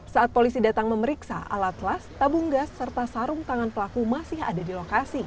saat polisi datang memeriksa alat las tabung gas serta sarung tangan pelaku masih ada di lokasi